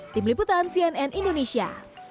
tim liputan cnn indonesia